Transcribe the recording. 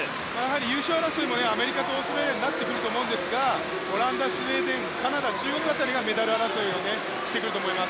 優勝争いはアメリカとオーストラリアになってくると思いますがオランダ、スウェーデン、カナダ中国辺りがメダル争いをしてくると思います。